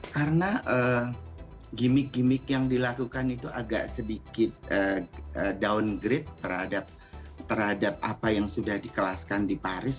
karena gimmick gimmick yang dilakukan itu agak sedikit downgrade terhadap apa yang sudah dikelaskan di paris